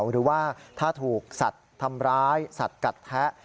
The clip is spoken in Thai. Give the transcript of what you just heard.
หรือว่าถ้าถูกสัตว์ทำร้ายสัตว์กัดแทะ